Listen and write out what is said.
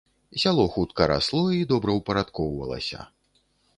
Сяло хутка расло і добраўпарадкоўвалася.